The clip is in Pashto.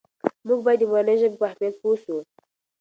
موږ باید د مورنۍ ژبې په اهمیت پوه سو.